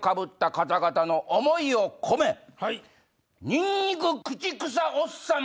ニンニク口くさおっさん